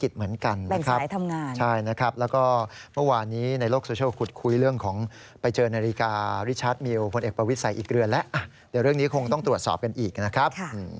เดี๋ยวเรื่องนี้คงต้องตรวจสอบกันอีกนะครับ